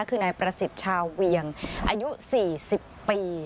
คือนายประสิทธิ์ชาวเวียงอายุ๔๐ปี